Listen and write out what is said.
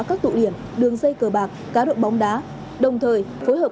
các tụ điểm đường dây cờ bạc cá độ bóng đá đồng thời phối hợp